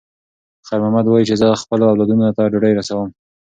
خیر محمد وایي چې زه به خپلو اولادونو ته ډوډۍ رسوم.